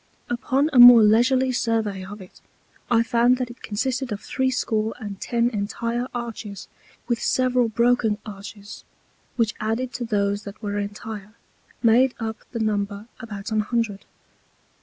Upon a more leisurely Survey of it, I found that it consisted of threescore and ten entire Arches, with several broken Arches, which added to those that were entire, made up the Number about an hundred.